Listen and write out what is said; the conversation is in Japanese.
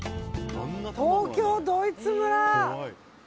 東京ドイツ村！